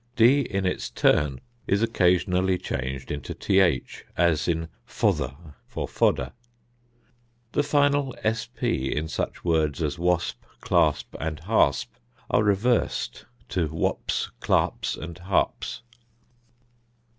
d in its turn is occasionally changed into th; as in fother for fodder. The final sp in such words as wasp, clasp, and hasp are reversed to wapse, clapse and hapse.